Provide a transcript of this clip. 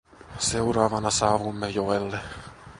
Seuraavana saavuimme joelle.